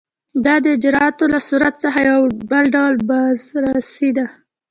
دا د اجرااتو له صورت څخه یو ډول بازرسي ده.